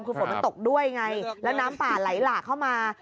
คือฝนมันตกด้วยไงแล้วน้ำป่าไหลหลากเข้ามา